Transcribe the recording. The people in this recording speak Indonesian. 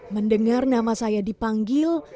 mendengar nama saya dipanggil